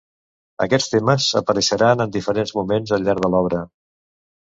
Aquests temes apareixeran en diferents moments al llarg de l'obra.